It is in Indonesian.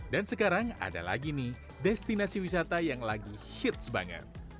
dan sekarang ada lagi nih destinasi wisata yang lagi hits banget